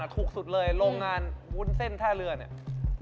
สุดเลยโรงงานวุ้นเส้นท่าเรือเนี่ย